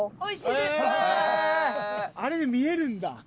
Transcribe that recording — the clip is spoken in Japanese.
あれで見えるんだ！